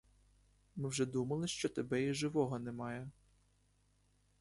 Ми вже думали, що тебе й живого немає!